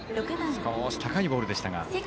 少し高いボールでしたが。